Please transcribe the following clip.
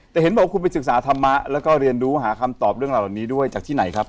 แต่เห็นบอกว่าคุณไปศึกษาธรรมะแล้วก็เรียนรู้หาคำตอบเรื่องเหล่านี้ด้วยจากที่ไหนครับ